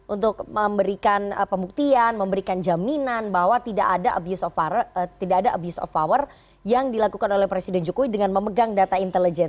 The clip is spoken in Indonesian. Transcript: untuk memberikan pembuktian memberikan jaminan bahwa tidak ada abuse of power yang dilakukan oleh presiden jokowi dengan memegang data intelijen